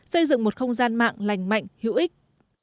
xây dựng một không gian mạng lành mạnh hữu ích